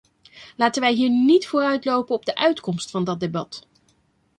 Laten wij hier niet vooruitlopen op de uitkomst van dat debat.